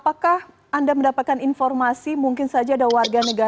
apakah anda mendapatkan informasi mungkin saja ada warga negara